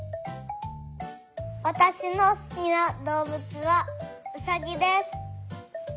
わたしのすきなどうぶつはうさぎです。